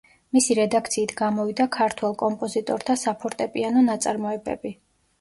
მისი რედაქციით გამოვიდა ქართველ კომპოზიტორთა საფორტეპიანო ნაწარმოებები.